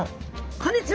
こんにちは。